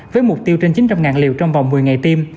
với mục tiêu trên chín trăm linh liều trong vòng một mươi ngày tiêm